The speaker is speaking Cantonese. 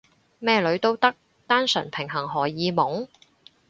咩女都得？單純平衡荷爾蒙？